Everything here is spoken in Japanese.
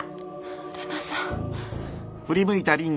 玲奈さん。